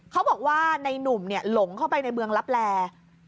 เขาบอกว่าในนุ่มหลงเข้าไปในเมืองลับแล